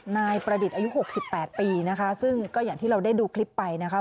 นายประดิษฐ์อายุ๖๘ปีนะคะซึ่งก็อย่างที่เราได้ดูคลิปไปนะคะ